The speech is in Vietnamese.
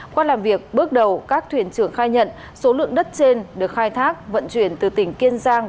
qua làm việc bước đầu các thuyền trưởng khai nhận số lượng đất trên được khai thác vận chuyển từ tỉnh kiên giang